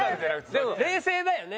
でも冷静だよね。